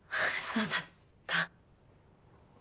そうだった。